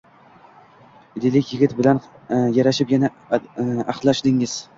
Deylik, yigit bilan yarashib, yana ahdlashdingiz